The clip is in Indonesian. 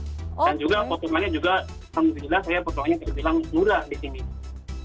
dan juga potongannya juga alhamdulillah saya potongannya terbilang murah di sini